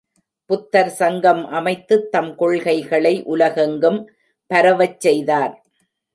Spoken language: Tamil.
புத்தர் சங்கம் அமைத்துத் தம் கொள்கைகளை உலகெங்கும் பரவச் செய்தார்.